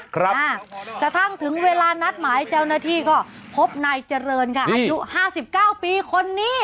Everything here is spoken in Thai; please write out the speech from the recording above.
ครับสะทั้งถึงเวลานัดหมายเจ้าหน้าที่ก็พบนายเจริญค่ะอายุ๕๙ปีคนนี้